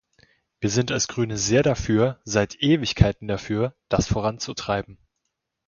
Wir sind als Grüne sehr dafür, seit Ewigkeiten dafür, das voranzutreiben.